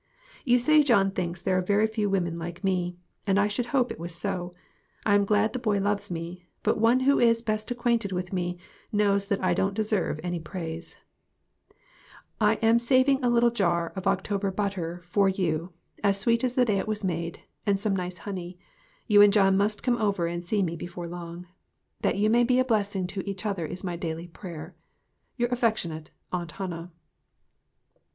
You say John thinks there are very few women like me, and I should hope it was so. I am glad the boy loves me, but One who is best acquainted with me knows that I don't deserve any praise. GOOD BREAD AND GOOD MEETINGS. 39 I am saving a little jar of October butter for you, as sweet as the day it was made, and some nice honey. You and John must come over and see me before long. That you may be a blessing, to each other is my daily prayer. Your affectionate AUNT HANNAH.